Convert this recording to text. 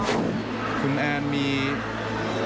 ว่าทางนี้ไม่โอเคไม่ถูกต้อง